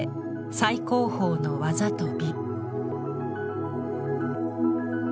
最高峰の技と美。